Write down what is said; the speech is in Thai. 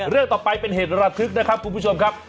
เรื่องต่อไปเป็นเหตุระทึกนะครับคุณผู้ชมครับ